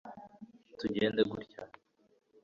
ntugende gutya